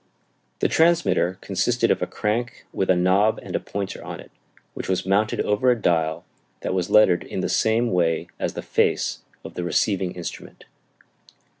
The transmitter consisted of a crank with a knob and a pointer on it, which was mounted over a dial that was lettered in the same way as the face of the receiving instrument.